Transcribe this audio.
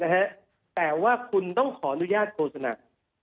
แต่ว่าคุณต้องขออนุญาตโฆษณา